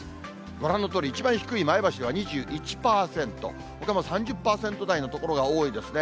ご覧のとおり一番低い前橋では２１％、ほかも３０％台の所が多いですね。